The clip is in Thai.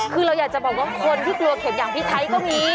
คือเราอยากจะบอกว่าคนที่กลัวเข็มอย่างพี่ไทยก็มี